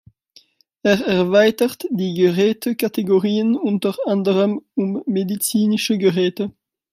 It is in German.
Er erweitert die Gerätekategorien unter anderem um medizinische Geräte.